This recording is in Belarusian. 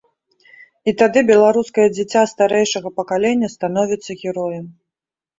І тады беларускае дзіця старэйшага пакалення становіцца героем.